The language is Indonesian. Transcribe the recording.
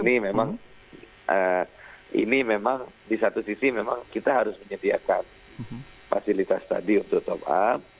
ini memang ini memang di satu sisi memang kita harus menyediakan fasilitas tadi untuk top up